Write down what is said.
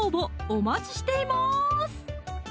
お待ちしています